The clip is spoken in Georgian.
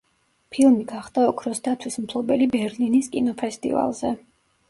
ფილმი გახდა ოქროს დათვის მფლობელი ბერლინის კინოფესტივალზე.